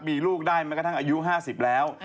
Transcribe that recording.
มีลูกได้แม้กระทั่งอายุ๕๐แล้ว